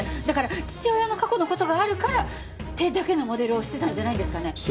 だから父親の過去の事があるから手だけのモデルをしてたんじゃないんですかね？